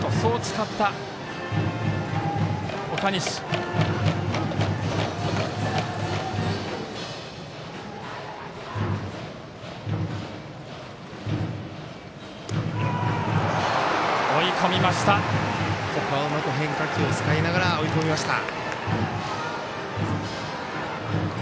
ここはうまく変化球を使いながら追い込みました。